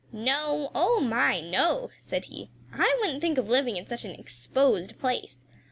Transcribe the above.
"No, oh, my, no!" said he. "I wouldn't think of living in such an exposed place!